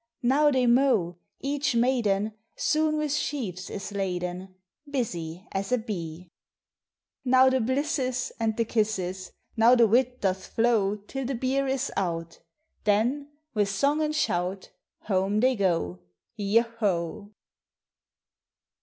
Now they mow; each maiden Soon with sheaves is laden, Busy as a bee. Now the blisses, And the kisses! Now the wil doth flow Till the beer is ou1 ; Then, with song ami shout, Home they go, yo ho!